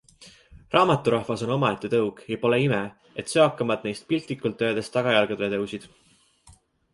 Raamaturahvas on omaette tõug ja pole ime, et söakamad neist piltlikult öeldes tagajalgadele tõusid.